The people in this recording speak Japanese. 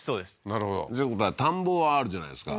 なるほど田んぼはあるじゃないですか